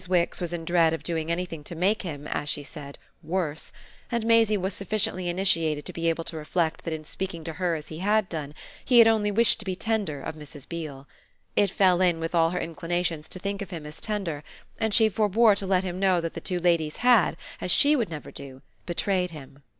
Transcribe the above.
Wix was in dread of doing anything to make him, as she said, "worse"; and Maisie was sufficiently initiated to be able to reflect that in speaking to her as he had done he had only wished to be tender of Mrs. Beale. It fell in with all her inclinations to think of him as tender, and she forbore to let him know that the two ladies had, as SHE would never do, betrayed him.